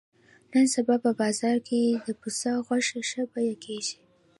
نن سبا په بازار کې د پسه غوښه ښه بیه کېږي.